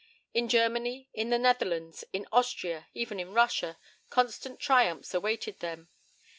In Germany, in the Netherlands, in Austria, even in Russia, constant triumphs awaited them.